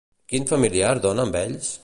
Quin familiar dona amb ells?